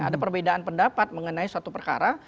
ada perbedaan pendapat mengenai suatu perkara